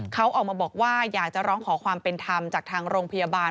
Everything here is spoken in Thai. เขาออกมาบอกว่าอยากจะร้องขอความเป็นธรรมจากทางโรงพยาบาล